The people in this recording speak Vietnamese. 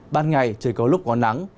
ban ngày trời có lúc có nắng